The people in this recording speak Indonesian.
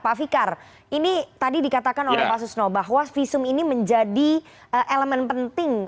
pak fikar ini tadi dikatakan oleh pak susno bahwa visum ini menjadi elemen penting